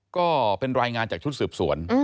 ก็เป็นรายงานจากชุดสืบสวน